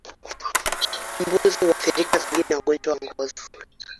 Mbuzi huathirika zaidi na ugonjwa wa ngozi